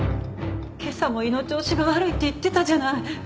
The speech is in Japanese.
今朝も胃の調子が悪いって言ってたじゃない。